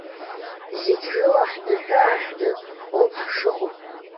Зегьы рыла ҳнаҳәы-ааҳәны оуп ҳшыҟоу.